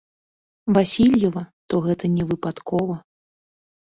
Васільева, то гэта не выпадкова.